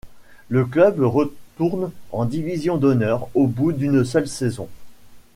Le club retourne en Division d'Honneur au bout d'une seule saison.